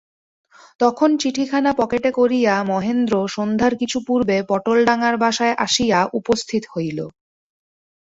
তখন চিঠিখানা পকেটে করিয়া মহেন্দ্র সন্ধ্যার কিছু পূর্বে পটলডাঙার বাসায় আসিয়া উপস্থিত হইল।